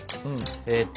えっと。